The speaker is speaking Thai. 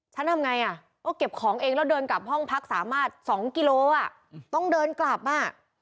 ทำไงอ่ะก็เก็บของเองแล้วเดินกลับห้องพักสามารถ๒กิโลอ่ะต้องเดินกลับอ่ะ